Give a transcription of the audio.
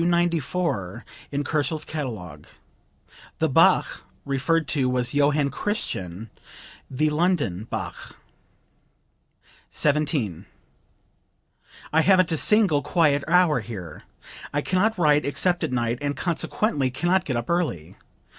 294 in Kochel's catalogue. The Bach referred to was Johann Christian, the "London" Bach.) 17. "I haven't a single quiet hour here. I can not write except at night and consequently can not get up early.